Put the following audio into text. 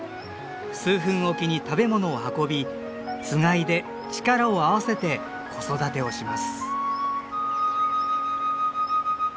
数分おきに食べ物を運びつがいで力を合わせて子育てをします。